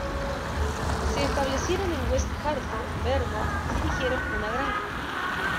Se establecieron en West Hartford, Vermont, y dirigieron una granja.